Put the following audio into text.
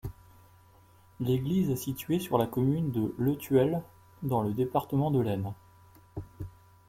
L'église est située sur la commune de Le Thuel, dans le département de l'Aisne.